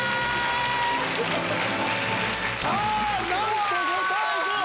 さぁなんと５対０。